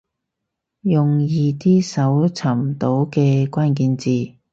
用易啲搜尋到嘅關鍵字